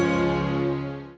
sampai jumpa lagi